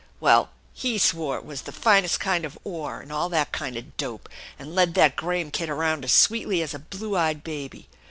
Well, he swore it was the finest kind of ore and all that kind of dope, and led that Graham kid around as sweetly as a blue eyed baby.